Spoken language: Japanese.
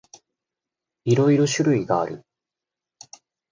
いろいろ種類がある。